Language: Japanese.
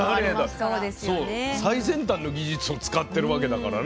そう最先端の技術を使ってるわけだからね。